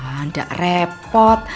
ah enggak repot